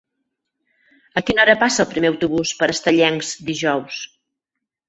A quina hora passa el primer autobús per Estellencs dijous?